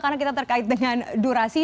karena kita terkait dengan durasi